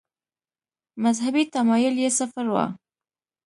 مذهبي تمایل یې صفر و.